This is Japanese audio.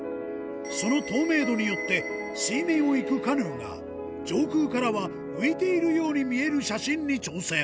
その透明度によって、水面をいくカヌーが、上空からは浮いているように見える写真に挑戦。